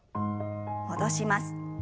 戻します。